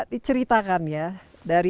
ya karena kontrak bor"